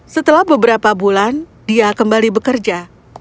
setelah beberapa bulan dia kembali bekerja